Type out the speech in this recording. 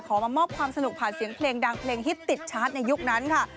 มามอบความสนุกผ่านเสียงเพลงดังเพลงฮิตติดชาร์จในยุคนั้นค่ะ